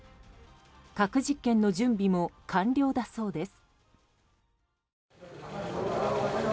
核実験の準備も完了だそうです。